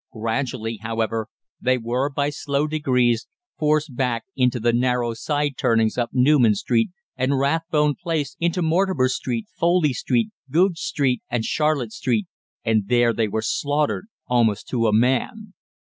Gradually, however, they were, by slow degrees, forced back into the narrow side turnings up Newman Street, and Rathbone Place into Mortimer Street, Foley Street, Goodge Street, and Charlotte Street; and there they were slaughtered almost to a man.